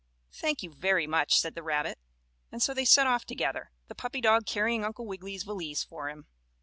"Thank you, very much," said the rabbit, and so they set off together, the puppy dog carrying Uncle Wiggily's valise for him.